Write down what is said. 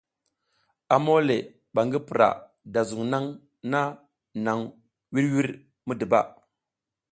A mole ba ngi pura da zung nang nang vur vur midiba.